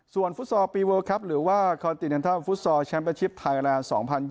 ส่วนฟุตสอร์ปีเวิลครับหรือว่าคอนติเนินทัลฟุตสอร์แชมเปอร์ชิปไทยอัลแลนด์๒๐๒๑